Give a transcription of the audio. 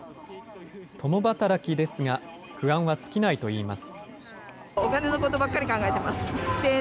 共働きですが、不安は尽きないといいます。